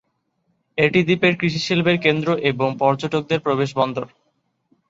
এটি দ্বীপের কৃষি শিল্পের কেন্দ্র এবং পর্যটকদের প্রবেশ বন্দর।